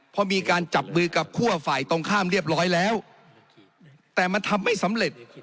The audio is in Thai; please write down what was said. พอมีการจับมือกับคั่วฝ่ายตรงข้ามเรียบร้อยแล้วแต่มันทำไม่สำเร็จ